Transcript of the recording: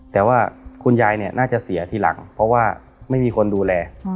แต่ว่าคุณยายเนี่ยน่าจะเสียทีหลังเพราะว่าไม่มีคนดูแล